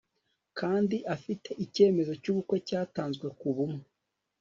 kandi afite icyemezo cyubukwe cyatanzwe kubumwe